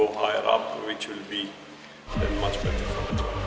yang akan lebih baik untuk kita